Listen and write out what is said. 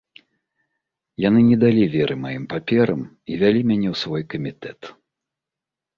Яны не далі веры маім паперам і вялі мяне ў свой камітэт.